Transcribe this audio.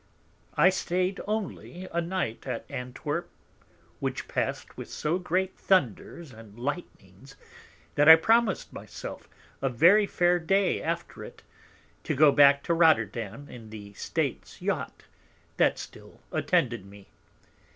'I stay'd only a Night at Antwerp, which pass'd with so great Thunders and Lightnings, that I promis'd my self a very fair Day after it, to go back to Rotterdam in the States Yacht, that still attended me.